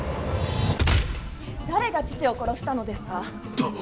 誰が父を殺したのですか。